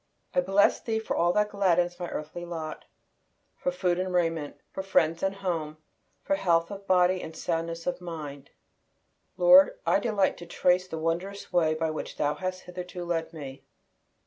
I bless Thee for all that gladdens my earthly lot, for food and raiment, for friends and home, for health of body and soundness of mind. Lord, I delight to trace the wondrous way by which Thou hast hitherto led me!